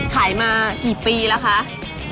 ขายมากี่ปีแล้วคะ